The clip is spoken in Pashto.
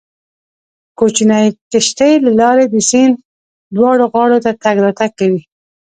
کوچنۍ کښتۍ له لارې د سیند دواړو غاړو ته تګ راتګ کوي